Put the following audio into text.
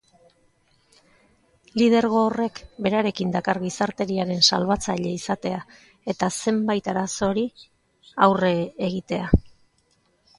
Lidergo horrek berekin dakar gizateriaren salbatzaile izatea eta zenbait arazori aurre egitea.